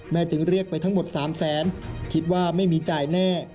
จึงเรียกไปทั้งหมด๓แสนคิดว่าไม่มีจ่ายแน่